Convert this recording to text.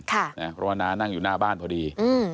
เพราะว่าน้านั่งอยู่หน้าบ้านพอดี